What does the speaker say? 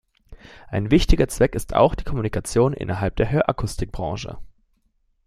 Ein wichtiger Zweck ist auch die Kommunikation innerhalb der Hörakustik-Branche.